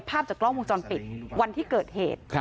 ภาพจากกล้องวงจรปิดวันที่เกิดเหตุ